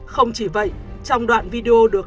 không chỉ vậy trong đoạn video được